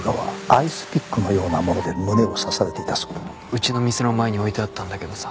うちの店の前に置いてあったんだけどさ。